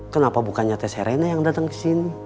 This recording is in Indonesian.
kenapa bukannya t serena yang datang kesini